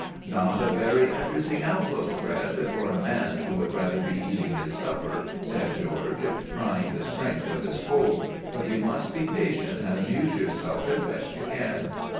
"Not a very interesting outlook, Fred, for a man who would rather be eating his supper," said George, trying the strength of his pole; "but you must be patient and amuse yourself as best you can."